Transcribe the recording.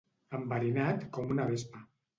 Enverinat com una vespa.